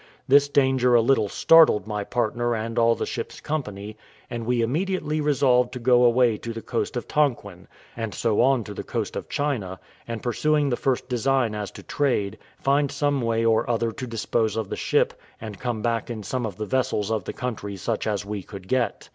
This danger a little startled my partner and all the ship's company, and we immediately resolved to go away to the coast of Tonquin, and so on to the coast of China and pursuing the first design as to trade, find some way or other to dispose of the ship, and come back in some of the vessels of the country such as we could get.